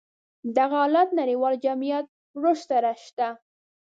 دغه حالت نړيوال جميعت رشد سره شته.